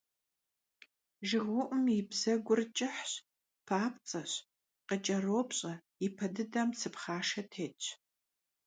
ЖыгыуӀум и бзэгур кӀыхыц, папцӀэщ, къыкӀэропщӀэ, и пэ дыдэм цы пхъашэ тетщ.